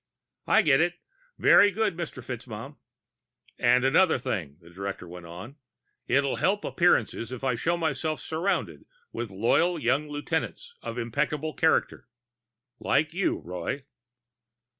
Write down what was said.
"I get it. Very good, Mr. FitzMaugham." "And another thing," the Director went on. "It'll help appearances if I show myself surrounded with loyal young lieutenants of impeccable character. Like you, Roy."